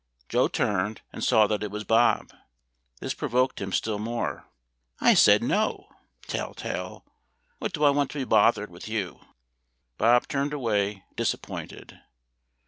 Joe turned, and saw that it was Bob. This provoked him still more. "I said no, 'tell tale.' What do I want to be bothered with you?" Bob turned away, disappointed.